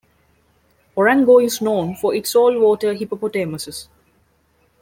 Orango is known for its saltwater hippopotamuses.